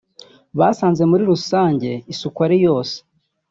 Basanze muri rusange isuku ari yose